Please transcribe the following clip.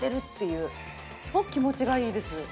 すごく気持ちがいいです。